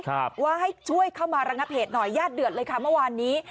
ว่าให้ช่วยเข้ามาระงับเหตุหน่อยญาติเดือดเลยค่ะเมื่อวานนี้